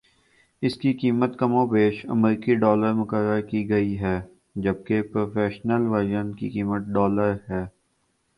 اسکی قیمت کم و بیش امریکی ڈالر مقرر کی گئ ہے جبکہ پروفیشنل ورژن کی قیمت ڈالر ہے